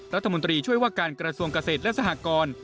รัฐมนตรีช่วยว่าการกระทรวงเกษตรและสหกร